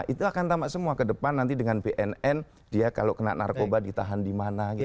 itu akan tambah semua ke depan nanti dengan bnn dia kalau kena narkoba ditahan di mana gitu